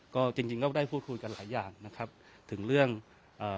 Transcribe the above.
ก็จริงจริงก็ได้พูดคุยกันหลายอย่างนะครับถึงเรื่องเอ่อ